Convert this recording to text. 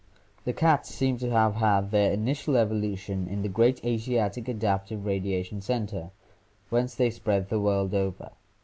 — The cats seem to have had their initial evolution in the great Asiatic adaptive radiation center, whence they spread the world over.